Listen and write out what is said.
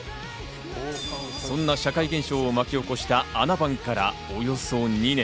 そんな社会現象を巻き起こした『あな番』からおよそ２年。